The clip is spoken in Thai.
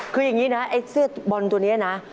คือยังนี้นะเสื้อตัวนี้นะ